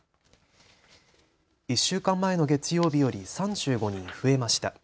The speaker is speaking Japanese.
１週間前の月曜日より３５人増えました。